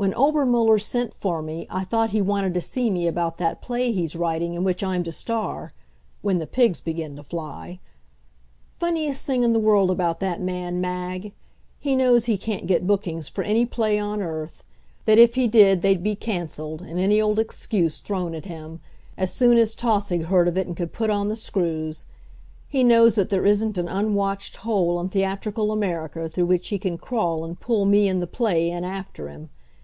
When Obermuller sent for me I thought he wanted to see me about that play he's writing in which I'm to star when the pigs begin to fly. Funniest thing in the world about that man, Mag. He knows he can't get bookings for any play on earth; that if he did they'd be canceled and any old excuse thrown at him, as soon as Tausig heard of it and could put on the screws. He knows that there isn't an unwatched hole in theatrical America through which he can crawl and pull me and the play in after him.